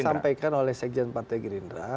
disampaikan oleh sekjen partai gerindra